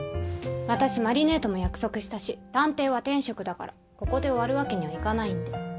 私麻里姉とも約束したし探偵は天職だからここで終わるわけにはいかないんで。